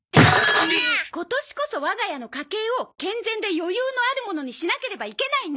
今年こそ我が家の家計を健全で余裕のあるものにしなければいけないの！